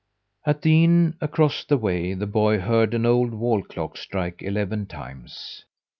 At the inn across the way the boy heard an old wall clock strike eleven times.